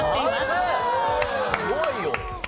すごいよ！